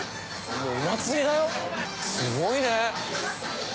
もうお祭りだよすごいね。